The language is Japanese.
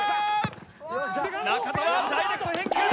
中澤ダイレクト返球だ。